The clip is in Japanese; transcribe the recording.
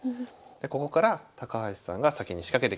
ここから橋さんが先に仕掛けてきました。